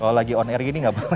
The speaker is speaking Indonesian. kalau lagi on air gini gak apa apa